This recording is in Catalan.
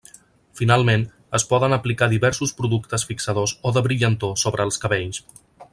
Finalment, es poden aplicar diversos productes fixadors o de brillantor sobre els cabells.